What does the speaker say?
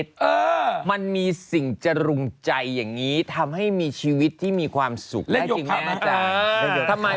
สะพายอยากจะขอยาให้พี่ม้าหน่อย